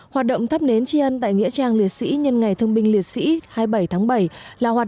hoạt động thắp nến tri ân tại nghĩa trang liệt sĩ nhân ngày thương binh liệt sĩ hai mươi bảy tháng bảy là hoạt